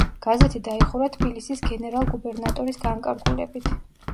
გაზეთი დაიხურა თბილისის გენერალ-გუბერნატორის განკარგულებით.